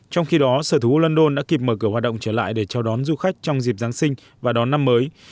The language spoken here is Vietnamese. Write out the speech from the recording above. trong khi đó sở thủ đô london đã kịp mở cửa hoạt động trở lại để chào đón du khách trong dịp giáng sinh và đón năm mới